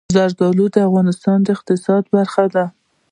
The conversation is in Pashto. زردالو د افغانستان د اقتصاد برخه ده.